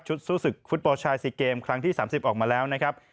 สู้ศึกฟุตบอลชาย๔เกมครั้งที่๓๐ออกมาแล้วนะครับ